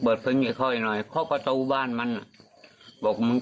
เปิดเพลงให้เขาอีกหน่อยพ่อพระตัวบ้านมันอ่ะบอกมึง